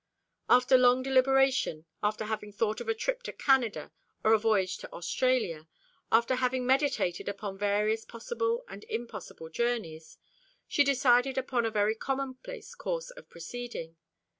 After long deliberation, after having thought of a trip to Canada or a voyage to Australia, after having meditated upon various possible and impossible journeys, she decided upon a very commonplace course of proceeding.